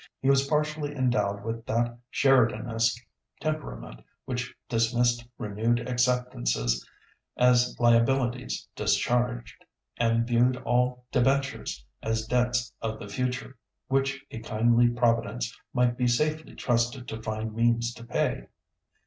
He was partially endowed with that Sheridanesque temperament which dismissed renewed acceptances as liabilities discharged, and viewed all debentures as debts of the future which a kindly Providence might be safely trusted to find means to pay.